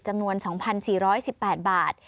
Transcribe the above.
จำนวน๒๔๑๘บาท